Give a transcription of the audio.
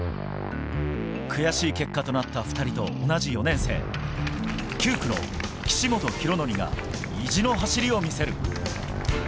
悔しい結果となった２人と同じ４年生、９区の岸本大紀が意地の走りを見せる。